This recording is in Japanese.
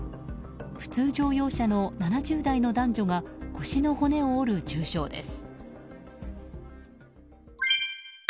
普通乗用車の７０代の男女が腰の骨を折る重傷です。